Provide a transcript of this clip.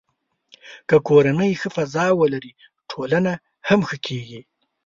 که کورنۍ ښه فضا ولري، ټولنه هم ښه کېږي.